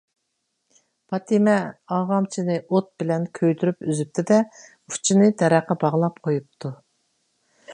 پاتىمە ئارغامچىنى ئوت بىلەن كۆيدۈرۈپ ئۈزۈپتۇ-دە، ئۇچىنى دەرەخكە باغلاپ قويۇپتۇ.